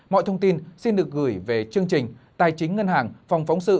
mọi thông tin xin được gửi về chương trình tài chính ngân hàng phòng phóng sự